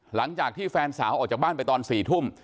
หลังจากที่แฟนสาวออกจากบ้านไปตอน๔ทุ่ม